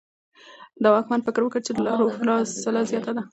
واکمن فکر وکړ چې د لارو فاصله زیاته ده.